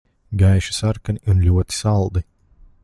Gaiši sarkani un ļoti saldi.